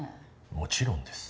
もちろんです。